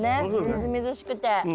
みずみずしくて。